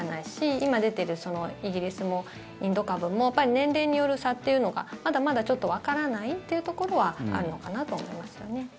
今出ているイギリスもインド株も年齢による差っていうのがまだまだちょっとわからないっていうところはあるのかなと思いますよね。